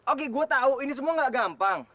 oke gue tahu ini semua gak gampang